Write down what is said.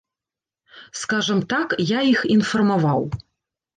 Скажам так, я іх інфармаваў.